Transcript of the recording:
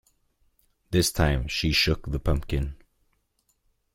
This time she shook the pumpkin.